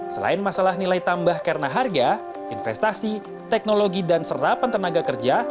selain masalah nilai tambah karena harga investasi teknologi dan serapan tenaga kerja